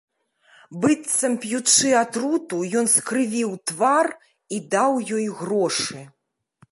Быццам п'ючы атруту, ён скрывіў твар і даў ёй грошы.